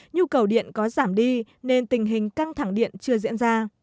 nhu cầu điện có giảm đi nên tình hình căng thẳng điện chưa diễn ra